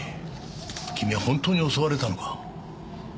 君は本当に襲われたのか？